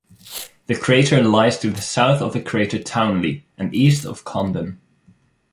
The crater lies to the south of the crater Townley, and east of Condon.